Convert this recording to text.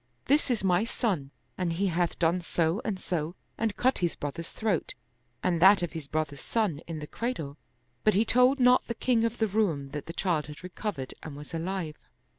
This is my son and He hath done so and so and cut his brother's throat and that of his brother's son in the cradle." But he told not the king of the Roum that the child had recovered and was alive.